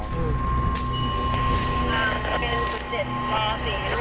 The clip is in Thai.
น้ำเป็นคุกเสร็จความเสียรวบ